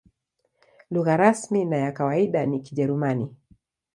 Lugha rasmi na ya kawaida ni Kijerumani.